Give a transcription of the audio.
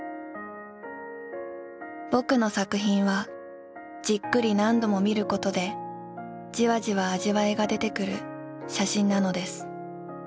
「ぼくの作品はじっくり何度も見ることでじわじわ味わいがでてくる写真なのです。